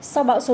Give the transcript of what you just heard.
sau bão số chín